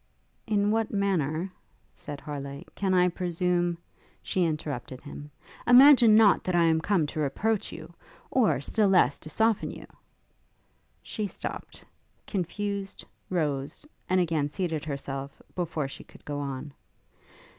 'In what manner,' said Harleigh, 'can I presume ' She interrupted him. 'Imagine not I am come to reproach you! or, still less, to soften you!' She stopt, confused, rose, and again seated herself, before she could go on.